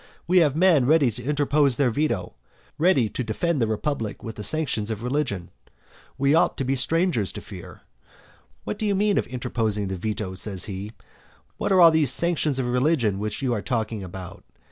We have men ready to interpose their veto, ready to defend the republic with the sanctions of religion. We ought to be strangers to fear. What do you mean by interposing the veto? says he, what are all these sanctions of religion which you are talking about?